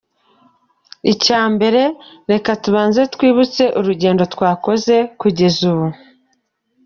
I. Reka tubanze twibutse urugendo twakoze kugeza ubu :